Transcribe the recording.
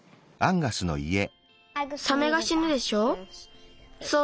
サメがしぬでしょう。